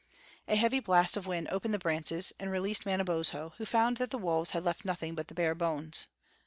A heavy blast of wind opened the branches and released Manabozho, who found that the wolves had left nothing but the bare bones.